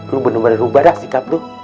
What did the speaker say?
lu bener bener ubah dah sikap lu